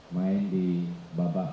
main di babak